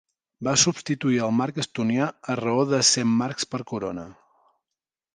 Va substituir el marc estonià a raó de cent marcs per corona.